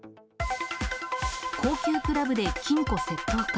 高級クラブで金庫窃盗か。